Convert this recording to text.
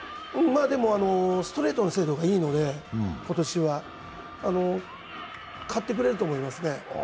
でも、ストレートの精度が今年はいいので勝ってくれると思いますね。